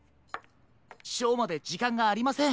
ショーまでじかんがありません。